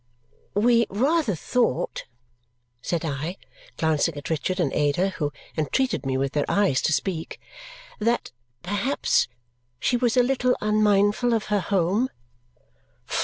"We rather thought," said I, glancing at Richard and Ada, who entreated me with their eyes to speak, "that perhaps she was a little unmindful of her home."